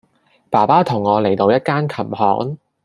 爸爸同我嚟到一間琴行